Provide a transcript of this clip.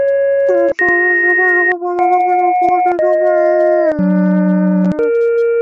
He chose as his episcopal motto "Dominus Fortitudo Mea" (The Lord is my Strength).